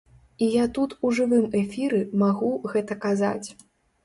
І я тут у жывым эфіры магу гэта казаць.